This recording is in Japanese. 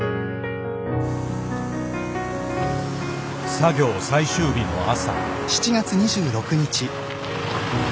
作業最終日の朝。